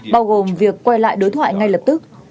bao gồm việc quay lại đối thoại ngay lập tức